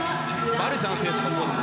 マルシャン選手もそうです。